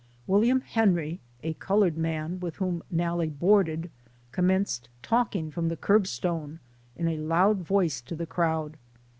William Henry, a colored man, with whom Nalle boarded, commenced talking from the curb stone in a loud voice to the crowd.